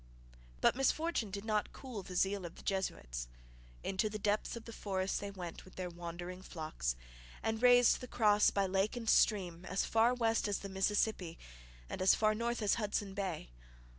But misfortune did not cool the zeal of the Jesuits. Into the depths of the forest they went with their wandering flocks, and raised the Cross by lake and stream as far west as the Mississippi and as far north as Hudson Bay.